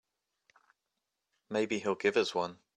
Maybe he'll give us one.